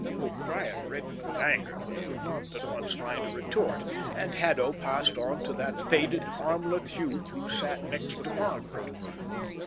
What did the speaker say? O'Brien reddened with anger, but could not at once find a retort, and Haddo passed on to that faded, harmless youth who sat next to Margaret.